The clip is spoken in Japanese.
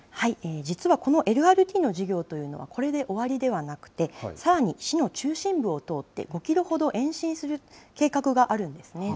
実はこのＬＲＴの事業というのは、これで終わりではなくて、さらに市の中心部を通って、５キロほど延伸する計画があるんですね。